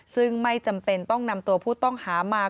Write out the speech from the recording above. ซึ่งไม่จำเป็นต้องนำตัวผู้ต้องหามา